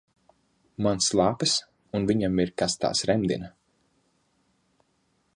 Man slāpes un viņam ir kas tās remdina.